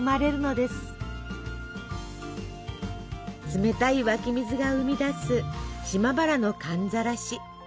冷たい湧き水が生み出す島原の寒ざらし。